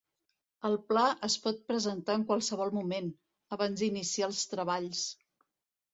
El pla es pot presentar en qualsevol moment, abans d'iniciar els treballs.